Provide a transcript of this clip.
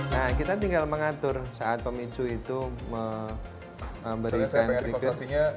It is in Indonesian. nah kita tinggal mengatur saat pemicu itu memberikan brigasinya